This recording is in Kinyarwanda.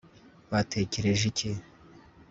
batekereje iki